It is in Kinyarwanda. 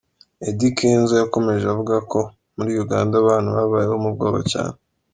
Eddy Kenzo yakomeje avuga ko muri Uganda abantu babayeho mu bwoba cyane.